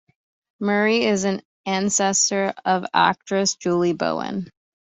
Murray is an ancestor of actress Julie Bowen.